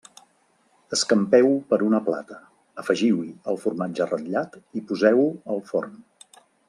Escampeu-ho per una plata, afegiu-hi el formatge ratllat i poseu-ho al forn.